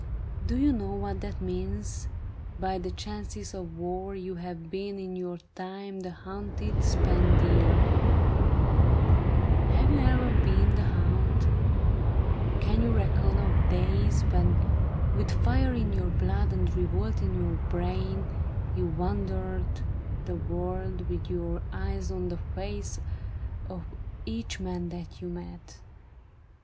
Do you know what that means ? By the chances of war You have been in your time the hunted, spent deer; Have you e'er been the hound ? Can you reckon of days When, with fire in your blood and revolt in your brain. You wandered the world with your eyes on the face Of each man that you met